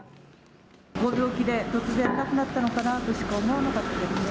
ご病気で突然亡くなったのかなとしか思わなかったですね。